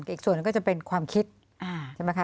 อีกส่วนหนึ่งก็จะเป็นความคิดใช่ไหมคะ